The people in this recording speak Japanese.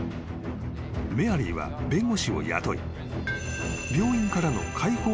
［メアリーは弁護士を雇い］